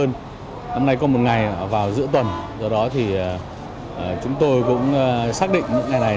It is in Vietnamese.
năm nay có một ngày vào giữa tuần do đó thì chúng tôi cũng xác định những ngày này